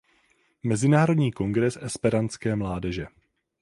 Mezinárodní kongres esperantské mládeže.